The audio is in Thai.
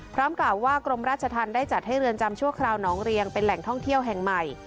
กล่าวว่ากรมราชธรรมได้จัดให้เรือนจำชั่วคราวหนองเรียงเป็นแหล่งท่องเที่ยวแห่งใหม่